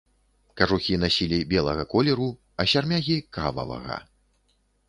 Кажухі насілі белага колеру, а сярмягі кававага.